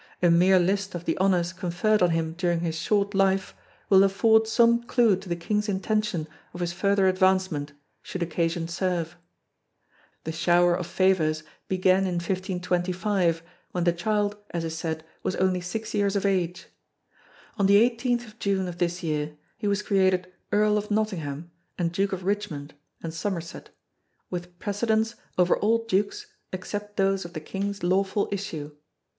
A mere list of the honours conferred on him during his short life will afford some clue to the King's intention of his further advancement, should occasion serve. The shower of favours began in 1525 when the child, as is said, was only six years of age. On the 18th of June of this year he was created Earl of Nottingham and Duke of Richmond and Somerset, with precedence over all dukes except those of the King's lawful issue.